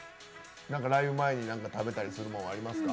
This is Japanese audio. ライブ前になんか食べたりするものありますか？